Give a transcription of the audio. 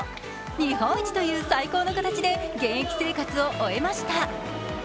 日本一という最高の形で現役生活を終えました。